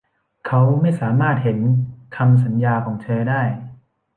เขาไม่สามารถเห็นคำสัญญาของเธอได้